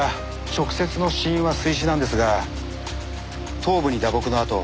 直接の死因は水死なんですが頭部に打撲の痕